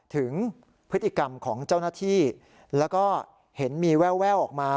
ถึงพฤติกรรมของเจ้าหน้าที่แล้วก็เห็นมีแววออกมา